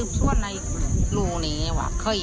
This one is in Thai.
ไปกลับไป